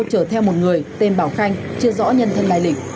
chở theo một người tên bảo khanh chưa rõ nhân thân lai lịch